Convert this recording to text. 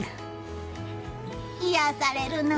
癒やされるなあ。